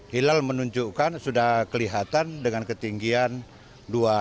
hilal menunjukkan sudah kelihatan dengan ketinggian dua meter